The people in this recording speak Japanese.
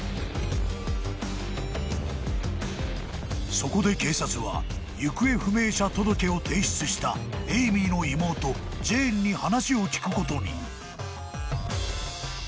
［そこで警察は行方不明者届を提出したエイミーの妹ジェーンに話を聞くことに］